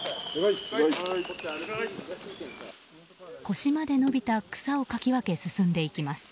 腰まで伸びた草をかき分け進んでいきます。